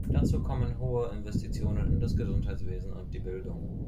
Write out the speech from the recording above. Dazu kamen hohe Investitionen in das Gesundheitswesen und die Bildung.